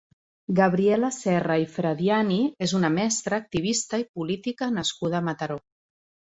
Gabriela Serra i Frediani és una mestra, activista i política nascuda a Mataró.